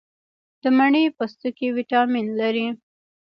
د مڼې پوستکي ویټامین لري.